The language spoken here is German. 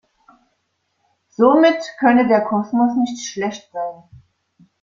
Somit könne der Kosmos nicht schlecht sein.